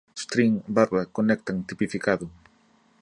string, barra, conectam, tipificado